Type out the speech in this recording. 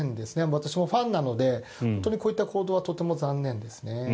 私もファンなのでこういった行動はとても残念ですね。